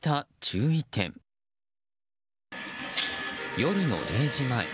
夜の０時前。